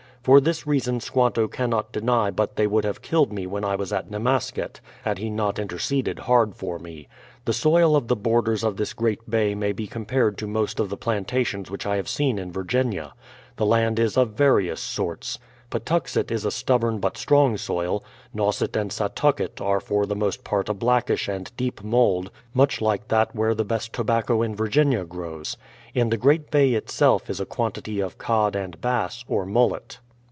For this reason Squanto cannot deny but they would have killed me when I was at Namasket, had he not interceded hard for me. The soil of the borders of this great bay may be compared to most of the plantations which I have seen in Virginia. The land is of various sorts. Patuxet is a stubborn but strong soil ; Nauset and Satucket are for the most part a blackish and deep mould, much like that where the best tobacco in Virginia grows. In the great bay itself is a quantity of cod and bass, or mullet."